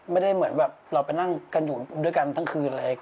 ไม่ได้เหมือนแบบเราไปนั่งกันอยู่ด้วยกันทั้งคืนเลย